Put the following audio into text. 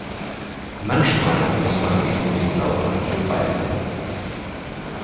Manchmal muss man eben in den sauren Apfel beißen.